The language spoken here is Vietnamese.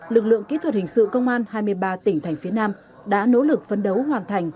lực lượng kỹ thuật hình sự công an hai mươi ba tỉnh thành phía nam đã nỗ lực phấn đấu hoàn thành